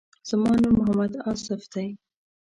زما نوم محمد آصف دی.